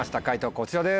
こちらです。